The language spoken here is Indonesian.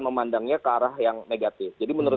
memandangnya ke arah yang negatif jadi menurut